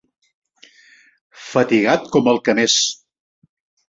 Fatigat com el que més.